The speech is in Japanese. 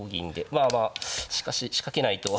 まあまあしかし仕掛けないと。